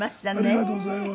ありがとうございます。